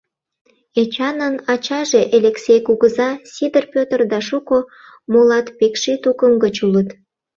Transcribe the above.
Эчанын ачаже Элексей кугыза, Сидыр Петр да шуко молат Пекши тукым гыч улыт.